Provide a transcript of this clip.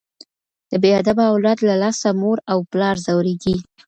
د بې ادبه اولاد له لاسه مور او پلار ځوریږي.